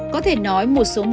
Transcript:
có thể nói một số hệ thống tưới